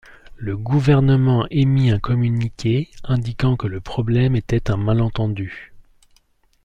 Le gouvernement émit un communiqué indiquant que le problème était un malentendu.